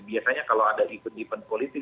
biasanya kalau ada event event politik